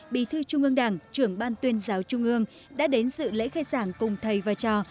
bí thư trung ương đảng trưởng ban tuyên giáo trung ương đã đến dự lễ khai giảng cùng thầy và trò